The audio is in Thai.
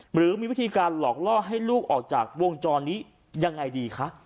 หรือมีวิธีการหลอกล่อให้ลูกออกจากวงจรนี้ยังไงดีคะ